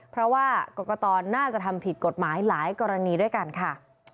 เพราะว่ากรกตน่าจะทำผิดกฎหมายหลายกรณีด้วยกันค่ะ